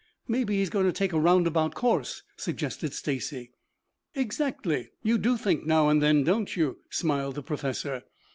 "Maybe he's going to take a roundabout course," suggested Stacy. "Exactly. You do think now and then, don't you?" smiled the professor.